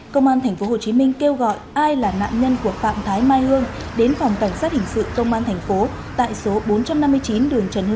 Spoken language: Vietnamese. công an tp hcm kêu gọi ai là nạn nhân của phạm thái mai hương đến phòng cảnh sát hình sự công an tp hcm tại số bốn trăm năm mươi chín đường trần hưng đạo phường cầu kho quận một để được điều tra xử lý